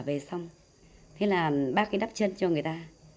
về xong bác đắp chân cho người ta